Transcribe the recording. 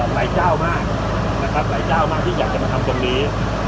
หลายเจ้ามากนะครับหลายเจ้ามากที่อยากจะมาทำตรงนี้